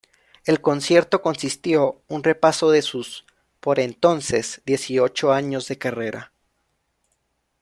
El concierto consistió un repaso de sus, por entonces, dieciocho años de carrera.